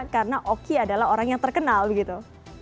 karena oki adalah orang yang terkenal gitu